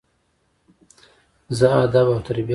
زه ادب او تربیه خوښوم.